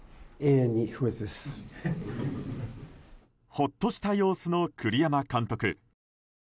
ほっとした様子の栗山監督。